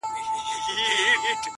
په يبلو پښو روان سو ـ